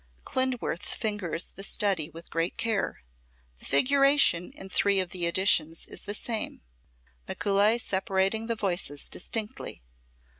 Klindworth fingers the study with great care. The figuration in three of the editions is the same, Mikuli separating the voices distinctly.